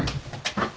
あっ。